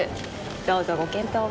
どうぞご検討を。